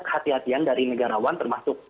kehatian dari negarawan termasuk